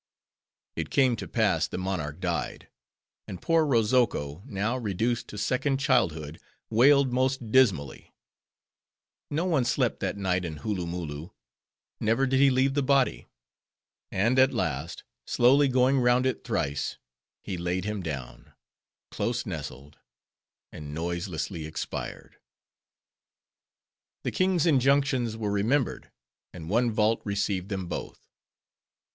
It came to pass, the monarch died; and Poor Rozoko, now reduced to second childhood, wailed most dismally:—no one slept that night in Hooloomooloo. Never did he leave the body; and at last, slowly going round it thrice, he laid him down; close nestled; and noiselessly expired. The king's injunctions were remembered; and one vault received them both.